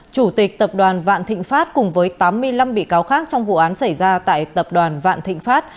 chủ tịch tập đoàn vạn thịnh pháp cùng với tám mươi năm bị cáo khác trong vụ án xảy ra tại tập đoàn vạn thịnh pháp